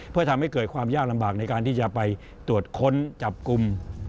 เพื่อทำให้เกิดความยากลำบากในการที่จะไปตรวจค้นจับกลุ่ม